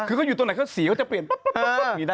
คือเขาอยู่ตรงไหนเขาสีเขาจะเปลี่ยนได้